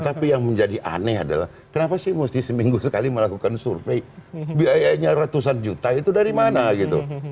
tapi yang menjadi aneh adalah kenapa sih mesti seminggu sekali melakukan survei biayanya ratusan juta itu dari mana gitu